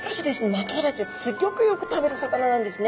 マトウダイちゃんすっギョくよく食べる魚なんですね。